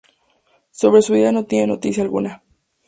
Sobre su vida no se tiene noticia alguna.